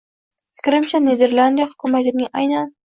Fikrimcha, Niderlandiya hukumatining aynan